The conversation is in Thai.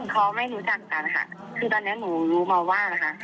เขาไม่รู้จักกันค่ะ